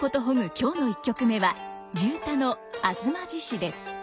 今日の１曲目は地唄の「吾妻獅子」です。